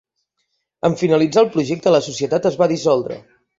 En finalitzar el projecte, la societat es va dissoldre.